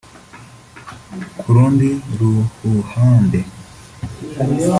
Ku rundi ruhuhande